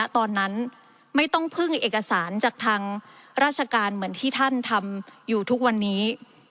ตอนนั้นไม่ต้องพึ่งเอกสารจากทางราชการเหมือนที่ท่านทำอยู่ทุกวันนี้